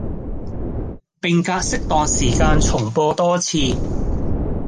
並隔適當時間重播多次